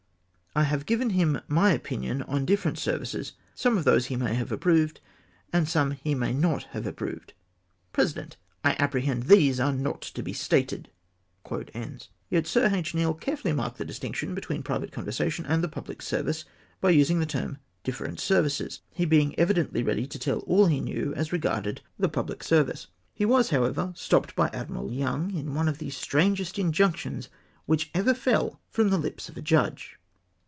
I have given him my opinion on different services; some of those he may have ajjproved, and some he may not leave approved.''^ Pkesident. — "I apprehend these are not to be stated!" Yet Sir H. Neale carefully marked the distinction between private conversation and the public service, by using the term " different services ;" he being evidently ready to tell all he knew as regarded the public scr STOPPED BY ADMIRAL YOUNG. 415 vice. He was, however, stopped by Admiral Young in one of tlie strangest injunctions which ever fell from tlie hps of a judge.